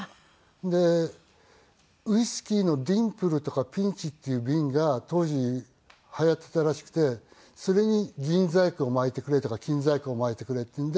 でウイスキーのディンプルとかピンチっていう瓶が当時流行っていたらしくてそれに銀細工を巻いてくれとか金細工を巻いてくれっていうんで。